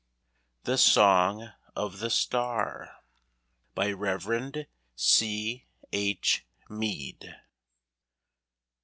THE SONG OF THE STAR. BY REV. C. H. MEAD.